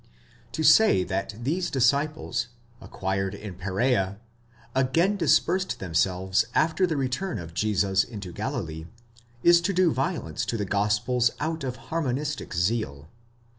To say that these disciples, acquired in Perzea, again dispersed themselves after the return of Jesus into Galilee,® is to do violence to the gospels out of harmonistic zeal.